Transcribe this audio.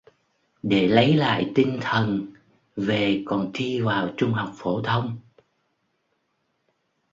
Để lấy lại tinh thần về còn thi vào trung học phổ thông